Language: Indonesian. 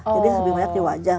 jadi lebih banyak di wajah